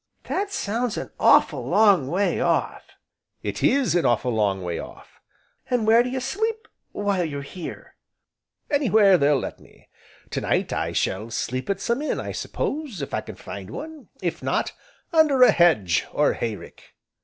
"That sounds an awful' long way off." "It is an awful' long way off." "An' where do you sleep while while you're here?" "Anywhere they'll let me. To night I shall sleep at some inn, I suppose, if I can find one, if not, under a hedge, or hay rick."